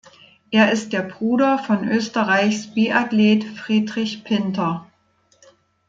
Er ist der Bruder von Österreichs Biathlet Friedrich Pinter.